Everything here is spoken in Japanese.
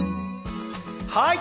はい。